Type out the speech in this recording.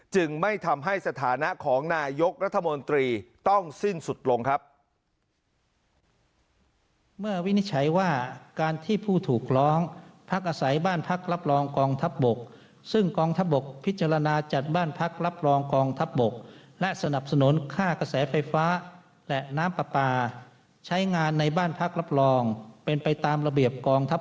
จึงไม่ทำให้สถานะของนายกรัฐมนตรีต้องสิ้นสุดลงครับ